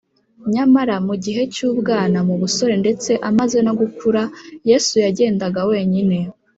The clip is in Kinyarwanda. Nyamara mu gihe cy’ubwana, mu busore, ndetse amaze no gukura, Yesu yagendaga wenyine.